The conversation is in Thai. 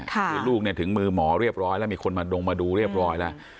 คือลูกถึงมือหมอเรียบร้อยแล้วมีคนมาดงมาดูเรียบร้อยแล้ว